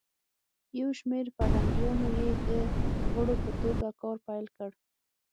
یو شمیر فرهنګیانو یی د غړو په توګه کار پیل کړ.